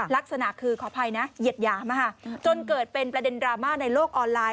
ลักษณะคือขออภัยนะเหยียดหยามจนเกิดเป็นประเด็นดราม่าในโลกออนไลน์